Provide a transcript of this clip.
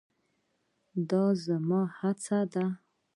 دا زموږ هڅه ده.